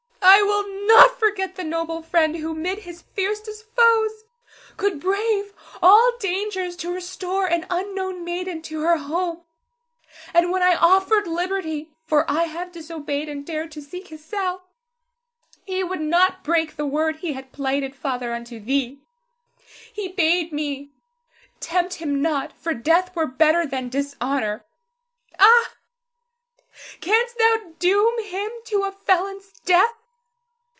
I will not forget the noble friend who, 'mid his fiercest foes, could brave all dangers to restore an unknown maiden to her home. And when I offered liberty (for I have disobeyed and dared to seek his cell), he would not break the word he had plighted, Father, unto thee. He bade me tempt him not, for death were better than dishonor. Ah, canst thou doom him to a felon's death?